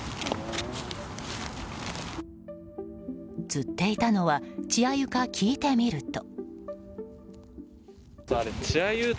釣っていたのは稚アユか聞いてみると。